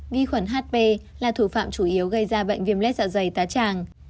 vi khuẩn hp là thủ phạm chủ yếu gây ra bệnh viêm lết dạ dày tá tràng